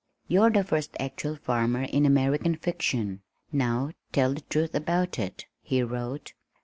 "You're the first actual farmer in American fiction, now tell the truth about it," he wrote.